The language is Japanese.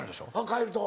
帰ると？